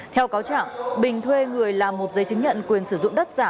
theo cáo trạng bình thuê người làm một giấy chứng nhận quyền sử dụng đất giả